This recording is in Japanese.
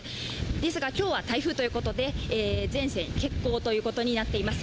ですが、今日は台風ということで全線欠航ということになっています。